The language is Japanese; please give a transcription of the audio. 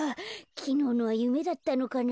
きのうのはゆめだったのかな？